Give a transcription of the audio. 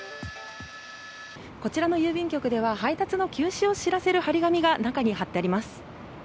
こちらの郵便局では配達の休止を知らせる貼り紙が中に貼ってあります。